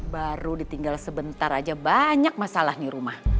baru ditinggal sebentar aja banyak masalah di rumah